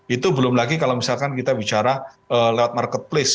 itu belum lagi kalau misalkan kita bicara lewat marketplace